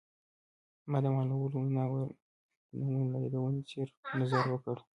ما د معلومو ویناوالو د نومونو له یادونې صرف نظر وکړ.